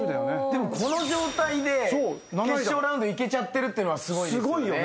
でもこの状態で決勝ラウンドいけちゃってるってのはすごいですよね。